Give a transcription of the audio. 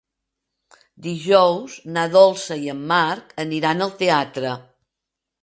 Dijous na Dolça i en Marc aniran al teatre.